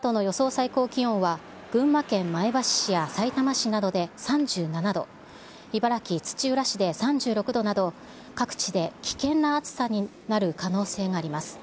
最高気温は、群馬県前橋市やさいたま市などで３７度、茨城・土浦市で３６度など、各地で危険な暑さになる可能性があります。